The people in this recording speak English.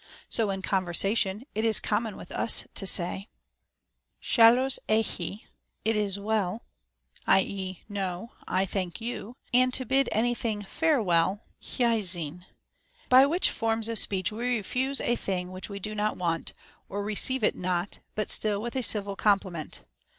So in conversation it is com mon with us to say, καλώς έχει, it is well (i.e., iVb, / thank you), and to bid any thing fare well (x<"i>e,r) ; by which forms of speech we refuse a thing which we do not want, or re ceive it not, but still with a civil compliment.